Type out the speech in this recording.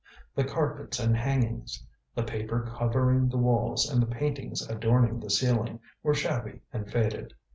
The carpets and hangings, the paper covering the walls and the paintings adorning the ceiling, were shabby and faded.